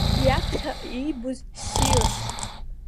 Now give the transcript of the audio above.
Иаԥхьаҟа иибоз ссирын.